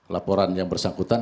laporan yang bersangkutan